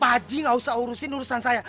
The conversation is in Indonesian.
pak haji gak usah urusin urusan saya